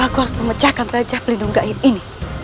aku harus memecahkan raja pelindung gaib ini